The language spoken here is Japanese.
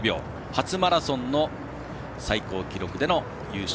初マラソンの最高記録での優勝。